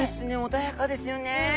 穏やかですよね。